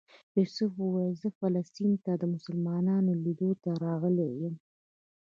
یوسف ویل چې زه فلسطین ته د مسلمانانو لیدلو ته راغلی یم.